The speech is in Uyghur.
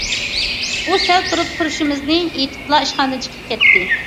ئۇ سەل تۇرۇپ تۇرۇشىمىزنى ئېيتىپلا ئىشخانىدىن چىقىپ كەتتى.